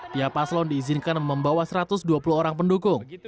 tiap paslon diizinkan membawa satu ratus dua puluh orang pendukung